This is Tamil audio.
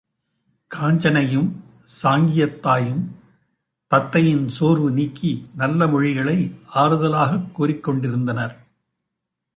காஞ்சனையும் சாங்கியத்தாயும் தத்தையின் சோர்வு நீக்கி நல்ல மொழிகளை ஆறுதலாகக் கூறிக்கொண்டிருந்தனர்.